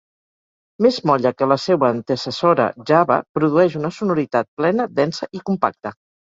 Més molla que la seua antecessora, Java, produeix una sonoritat plena, densa i compacta.